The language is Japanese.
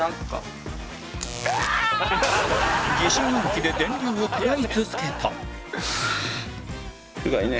疑心暗鬼で電流を食らい続けた